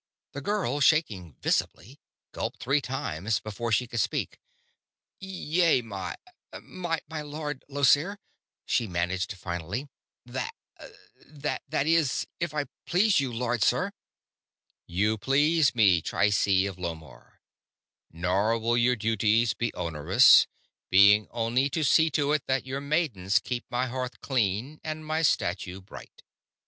The girl, shaking visibly, gulped three times before she could speak. "Yea, my my Lord Llosir," she managed finally. "Th that is if if I please you, Lord Sir." "You please me, Trycie of Lomarr. Nor will your duties be onerous; being only to see to it that your maidens keep my hearth clean and my statue bright."